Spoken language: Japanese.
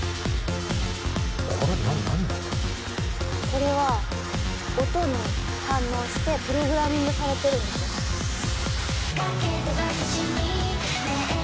これは音に反応してプログラミングされてるんですよ。